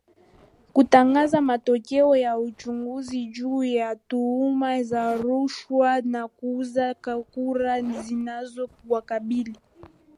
kutangaza matokeo ya uchunguzi juu ya tuhuma za rushwa na kuuza kura zinazo wakabili